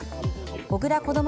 小倉こども